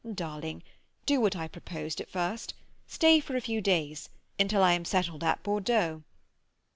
"Darling—do what I proposed at first. Stay for a few days, until I am settled at Bordeaux."